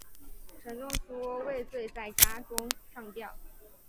陈仲书畏罪在家中上吊。